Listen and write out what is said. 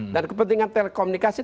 dan kepentingan telekomunikasi